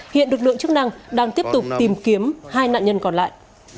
hiện lực lượng chức năng đang tiếp tục tìm kiếm hai nạn nhân còn lại